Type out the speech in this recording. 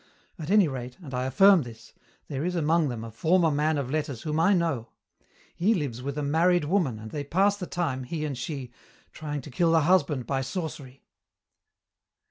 At any rate, and I affirm this, there is among them a former man of letters whom I know. He lives with a married woman, and they pass the time, he and she, trying to kill the husband by sorcery."